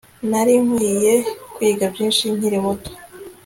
Nari nkwiye kwiga byinshi nkiri muto